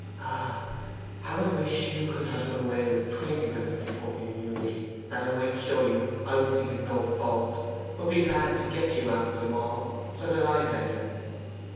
Ah, how I wish you could have run away with twenty women before you knew me, that I might show you I would think it no fault, but be glad to get you after them all, so that I had you!